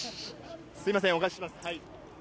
すみません、お返しします。